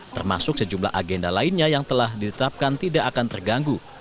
termasuk sejumlah agenda lainnya yang telah ditetapkan tidak akan terganggu